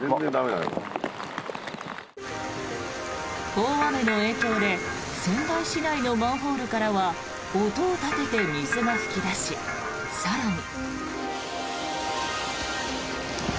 大雨の影響で仙台市内のマンホールからは音を立てて水が噴き出し更に。